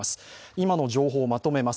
今の情報をまとめます。